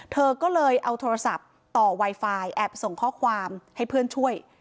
เธอก็เลยเอาโทรศัพท์ต่อไวไฟแอบส่งข้อความให้เพื่อนช่วย